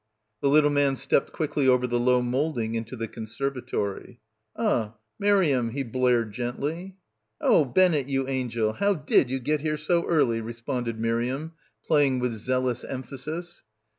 The little man stepped quickly over the low moulding into the conservatory. "Ah, Mariamne," he blared gently. "Oh, Bennett, you angel, how did you get here so early?" responded Miriam, playing with zealous emphasis.